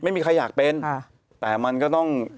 ไม่มีใครอยากเป็นแต่มันก็ต้อง